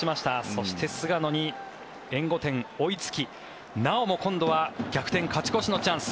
そして、菅野に援護点、追いつきなおも今度は逆転勝ち越しのチャンス。